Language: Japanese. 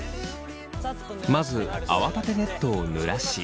まず泡立てネットをぬらし。